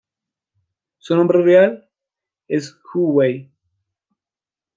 Su nombre real es Hu Wei.